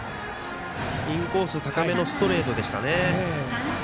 インコース高めのストレートでしたね。